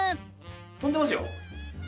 飛んでますよ。